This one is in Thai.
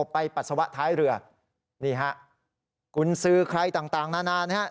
ไปปัสสาวะท้ายเรือนี่ฮะคุณซื้อใครต่างต่างนานานฮะ